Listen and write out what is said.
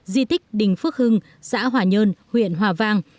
di tích đình phước hưng xã hòa nhơn huyện hòa vang